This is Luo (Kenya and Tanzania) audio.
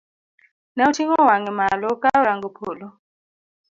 Ne oting'o wang'e malo ka orango polo.